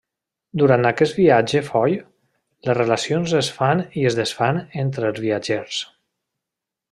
Durant aquest viatge foll, les relacions es fan i es desfan entre els viatgers.